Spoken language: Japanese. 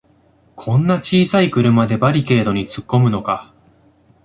こんな小さい車でバリケードにつっこむのか